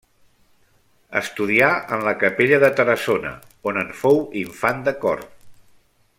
Estudià en la capella de Tarassona, on en fou infant de cor.